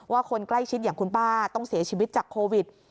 คนใกล้ชิดอย่างคุณป้าต้องเสียชีวิตจากโควิด